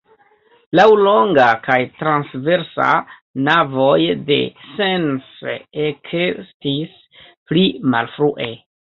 Laŭlonga kaj transversa navoj de Sens ekestis pli malfrue.